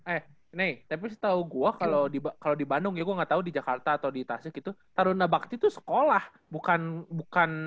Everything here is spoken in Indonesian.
eh ne tapi setau gue kalo di bandung ya gue gak tau di jakarta atau di tasik itu taruna bakti itu sekolah bukan bukan